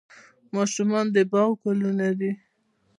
ماشومان د باغ ګلونه دي